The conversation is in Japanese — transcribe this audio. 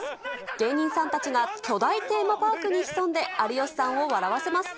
芸人さんたちが巨大テーマパークに潜んで、有吉さんを笑わせます。